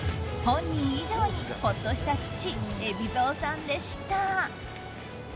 本人以上にほっとした父・海老蔵さんでした。